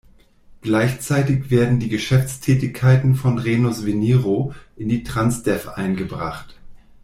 Gleichzeitig werden die Geschäftstätigkeiten von "Rhenus Veniro" in die Transdev eingebracht.